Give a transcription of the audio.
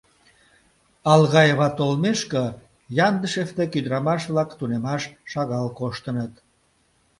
Алгаева толмешке, Яндышев дек ӱдырамаш-влак тунемаш шагал коштыныт.